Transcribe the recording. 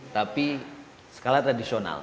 tapi skala tradisional